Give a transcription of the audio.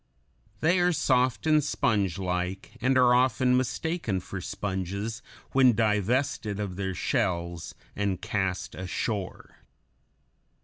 They are soft and spongelike, and are often mistaken for sponges when divested of their shells and cast ashore.